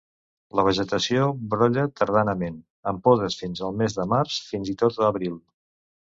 La vegetació brolla tardanament, amb podes fins al mes de març fins i tot abril.